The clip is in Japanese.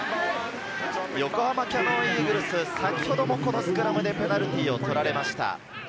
横浜キヤノンイーグルス、先ほどもスクラムでペナルティーを取られました。